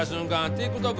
ＴｉｋＴｏｋ